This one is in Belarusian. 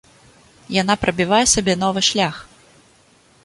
Яна прабівае сабе новы шлях.